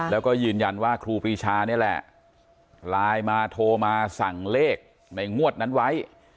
แล้วก็ยืนยันว่าครูปรีชานี่แหละไลน์มาโทรมาสั่งเลขในงวดนั้นไว้